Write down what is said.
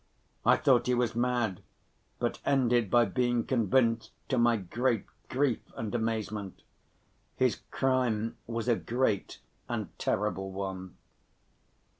I thought he was mad, but ended by being convinced, to my great grief and amazement. His crime was a great and terrible one.